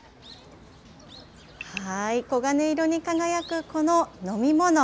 黄金色に輝くこの飲み物。